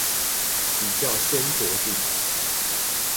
比較先著地